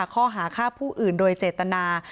ข้อหาฆ่าผู้อื่นโดยเจตนา